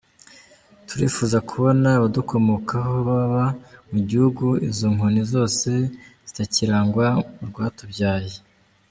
Turifuza kubona abadukomokaho baba mu gihugu izo nkoni zose zitakirangwa mu rwatubyaye.